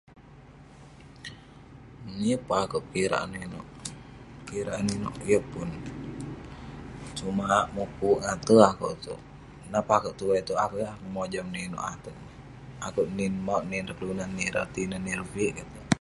yeng pun akouk pekirak inouk inouk, pekirak inouk inouk, yeng pun..sumak mukuk ngate akouk itouk ,nak peh akouk tuwai itouk akouk ,yeng akouk mojam inouk inouk ateg neh, akouk nin mauk nin ireh kelunan ireh tinen ireh viik keik touk